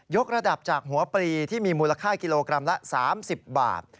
กระดับจากหัวปลีที่มีมูลค่ากิโลกรัมละ๓๐บาท